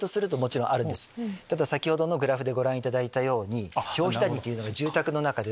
ただ先ほどのグラフでご覧いただいたように。